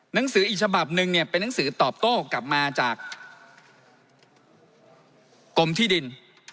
หนังสืออีกฉบับหนึ่งเนี่ยเป็นหนังสือตอบโต้กลับมาจากกรมที่ดิน